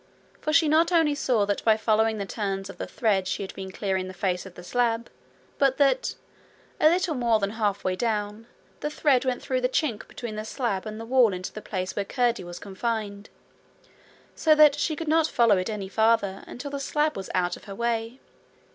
For she not only saw that by following the turns of the thread she had been clearing the face of the slab, but that, a little more than half way down, the thread went through the chink between the slab and the wall into the place where Curdie was confined, so that she could not follow it any farther until the slab was out of her way.